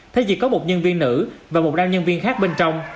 thế giới có một nhân viên nữ và một đoàn nhân viên khác bên trong